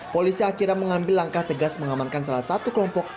polisi akhirnya mengambil langkah tegas mengamankan salah satu kelompok